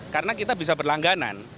karena kita bisa berlangganan